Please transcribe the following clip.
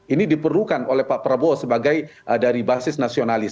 ini diperlukan oleh pak prabowo sebagai dari basis nasionalis